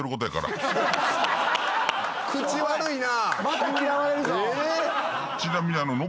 口悪いな！